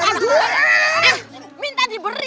lah lagi begitu